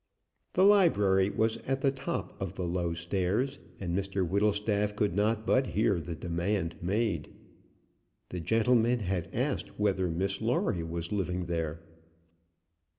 The library was at the top of the low stairs, and Mr Whittlestaff could not but hear the demand made. The gentleman had asked whether Miss Lawrie was living there.